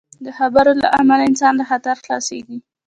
د خبرو له امله انسان له خطر خلاصېږي.